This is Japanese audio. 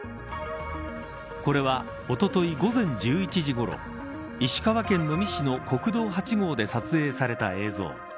これは、おととい午前１１時ごろ石川県能美市の国道８号で撮影された映像。